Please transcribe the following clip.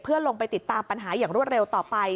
เพื่อลงไปติดตามปัญหาอย่างรวดเร็วต่อไป